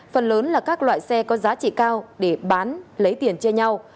phần lớn là các loại xe có giá trị cao để bán lấy tiền chia nhau